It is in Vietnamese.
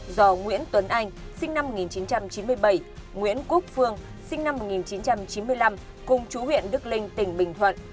do nguyễn tuấn anh sinh năm một nghìn chín trăm chín mươi bảy nguyễn quốc phương sinh năm một nghìn chín trăm chín mươi năm cùng chú huyện đức linh tỉnh bình thuận